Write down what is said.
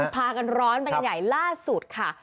พากันร้อนไปกันใหญ่ล่าสุดค่ะ